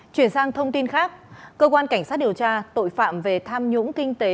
chuyển sang thông tin khác cơ quan cảnh sát điều tra tội phạm về tham nhũng kinh tế